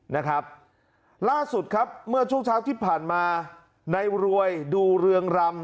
นะครับล่าสุดครับเมื่อช่วงเช้าที่ผ่านมาในรวยดูเรืองรำ